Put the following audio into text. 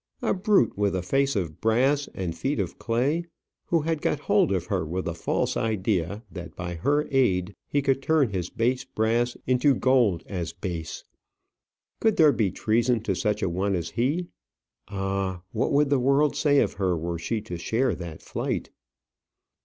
a brute with a face of brass and feet of clay, who had got hold of her with a false idea that by her aid he could turn his base brass into gold as base! Could there be treason to such a one as he? Ah! what would the world say of her were she to share that flight?